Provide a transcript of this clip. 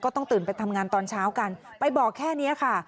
ต้องตื่นไปทำงานตอนเช้ากันไปบอกแค่นี้ค่ะ